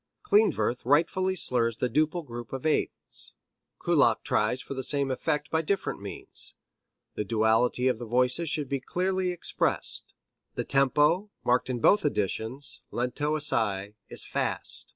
Klindworth rightfully slurs the duple group of eighths; Kullak tries for the same effect by different means. The duality of the voices should be clearly expressed. The tempo, marked in both editions, lento assai, is fast.